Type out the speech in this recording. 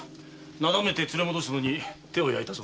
なだめて連れ戻すのに手を焼いたぞ。